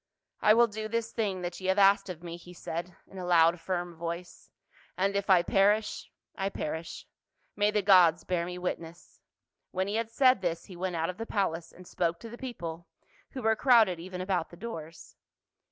" I will do this thing that ye have asked of me," he said in a loud firm voice, " and if I perish, I perish. May the gods bear me witness !" When he had said this, he went out of the palace and spoke to the people, who were crowded even about the doors.